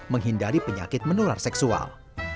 menghindari penyakit menular seksual